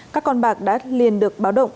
các con bạc đã liền được báo động